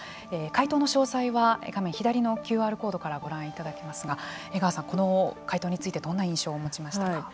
回答の詳細は画面左のＱＲコードからご覧いただけますが江川さん、この回答についてどんな印象を持ちましたか。